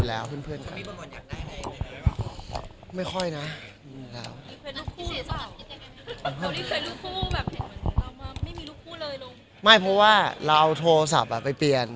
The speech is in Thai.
เพราะว่าเราเอาโทรศัพท์ไปเปลี่ยน